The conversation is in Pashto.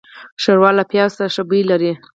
ښوروا له پيازو سره ښه بوی لري.